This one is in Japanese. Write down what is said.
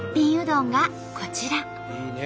いいね